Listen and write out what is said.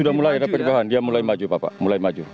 sudah mulai ada perubahan dia mulai maju bapak mulai maju